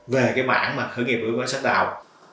về cái mảng mà khởi nghiệp đổi mới sáng tạo